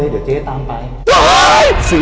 เดี๋ยวเจ๊ตามไป